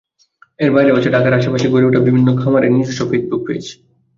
এর বাইরেও আছে ঢাকার আশপাশে গড়ে ওঠা বিভিন্ন খামারের নিজস্ব ফেসবুক পেজ।